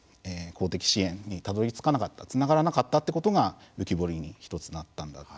公的支援にたどりつかなかったつながらなかったというのが浮き彫りに１つなったんだと。